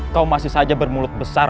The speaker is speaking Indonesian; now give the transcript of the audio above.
kau masih saja bermulut besar